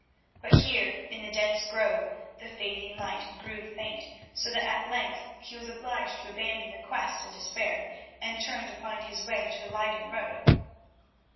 But here, in the dense grove, the fading light grew faint, so that at length he was obliged to abandon the quest in despair, and turned to find his way to the Leyden road.